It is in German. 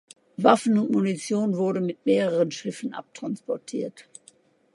Waffen und Munition wurden mit mehreren Schiffen abtransportiert.